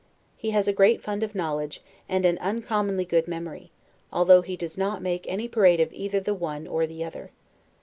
He has a great fund of knowledge, and an uncommonly good memory, although he does not make any parade of either the one or the other.